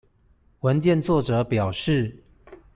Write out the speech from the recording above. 文件作者表示